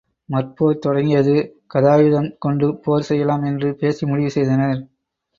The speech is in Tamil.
மற்போர் தொடங்கியது கதாயுதம் கொண்டு போர் செய்யலாம் என்று பேசி முடிவு செய்தனர்.